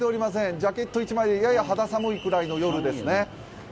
ジャケット１枚でやや肌寒いくらいの夜ですね。